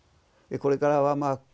これからはまあ